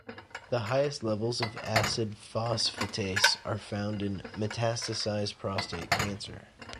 The highest levels of acid phosphatase are found in metastasized prostate cancer.